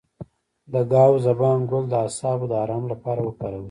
د ګاو زبان ګل د اعصابو د ارام لپاره وکاروئ